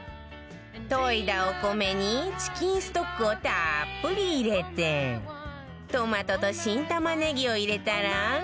研いだお米にチキンストックをたっぷり入れてトマトと新玉ねぎを入れたら